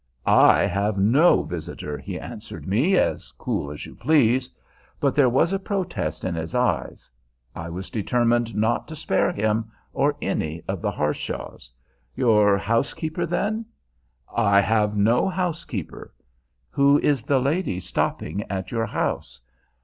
"I have no visitor," he answered me, as cool as you please. But there was a protest in his eye. I was determined not to spare him or any of the Harshaws. "Your housekeeper, then?" "I have no housekeeper." "Who is the lady stopping at your house?"